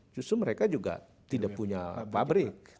justru mereka juga tidak punya pabrik